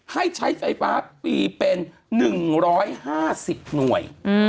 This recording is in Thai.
ให้ใช้ไฟฟ้าฟรีเป็น๑๕๐หน่วย